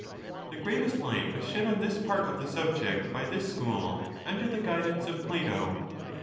The greatest light was shed on this part of the subject by this School under the guidance of Plato.